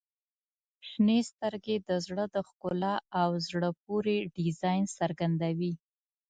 • شنې سترګې د زړه د ښکلا او زړه پورې ډیزاین څرګندوي.